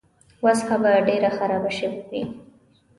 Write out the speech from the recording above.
وضع به ډېره خرابه شوې وای.